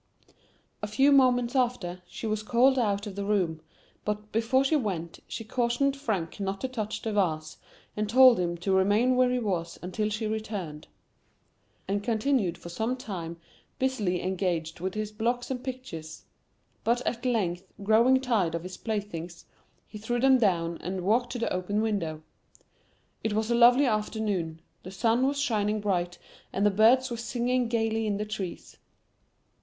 A few moments after, she was called out of the [Pg 6]room, but before she went, she cautioned Frank not to touch the vase, and told him to remain where he was until she returned. The little boy promised, and continued for some time busily engaged with his blocks and pictures; but at length, growing tired of his playthings, he threw them down, and walked to the open window. It was a lovely afternoon; the sun was shining bright, and the birds were singing gaily in the trees.